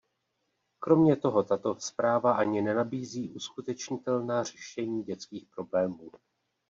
Kromě toho tato zpráva ani nenabízí uskutečnitelná řešení dětských problémů.